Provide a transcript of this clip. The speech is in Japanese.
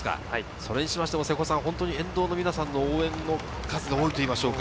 それにしても沿道の皆さんの応援も数が多いといいましょうか。